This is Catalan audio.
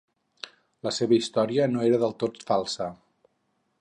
La seva història no era del tot falsa.